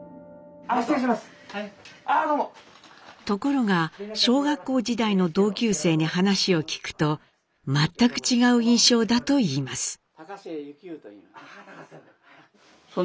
ところが小学校時代の同級生に話を聞くと全く違う印象だといいます。